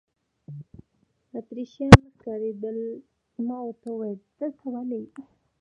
اتریشیان نه ښکارېدل، ما ورته وویل: دلته ولې.